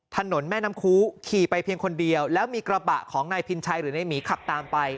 ถนนแม่น้ำคูขี่ไปเพียงคนเดียวแล้วมีกระบะของนายพินชัยหรือในหมีขับตามไป